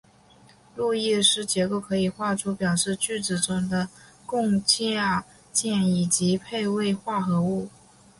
路易斯结构可以画出表示分子中的共价键以及配位化合物。